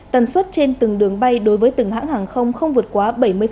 tần suất trên từng đường bay đối với từng hãng hàng không không vượt quá bảy mươi